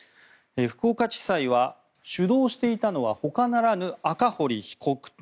福岡地裁は主導していたのはほかならぬ赤堀被告